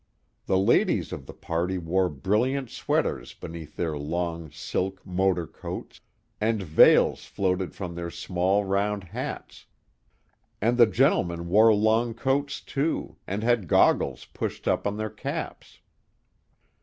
The ladies of the party wore brilliant sweaters beneath their long silk motor coats, and veils floated from their small round hats, and the gentlemen wore long coats, too, and had goggles pushed up on their caps.